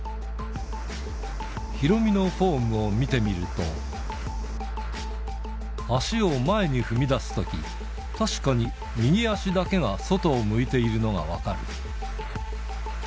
ヒロミのフォームを見てみると、足を前に踏み出すとき、確かに右足だけが外を向いているのが分かる。